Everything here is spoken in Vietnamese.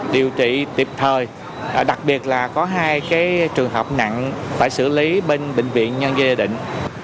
điều trị tiếp thời đặc biệt là có hai trường hợp nặng phải xử lý bên bệnh viện nhân dân gia đình